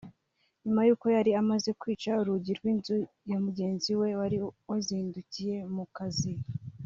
nyuma y’uko yari amaze kwica urugi rw’inzu ya mugenzi we wari wazindukiye mu kazi